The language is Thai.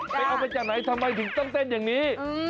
ไปเอามาจากไหนทำไมถึงต้องเต้นอย่างนี้